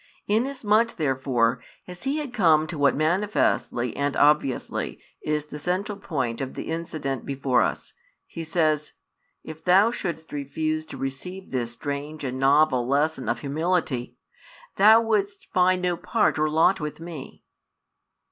Inasmuch therefore as He had come to what manifestly and obviously is the central point of the incident before us, He says: "If thou shouldst refuse to receive this strange and novel lesson of humility, thou wouldst find no part or lot with Me."